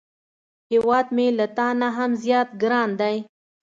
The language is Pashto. هیواد مې له تا نه هم زیات ګران دی